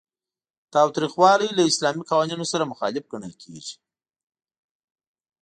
تاوتریخوالی له اسلامي قوانینو سره مخالف ګڼل کیږي.